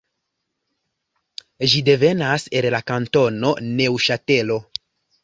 Ĝi devenas el la kantono Neŭŝatelo.